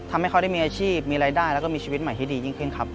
ทำให้เขาได้มีอาชีพมีรายได้แล้วก็มีชีวิตใหม่ที่ดียิ่งขึ้นครับ